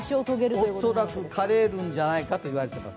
恐らく枯れるんじゃないかと言われています。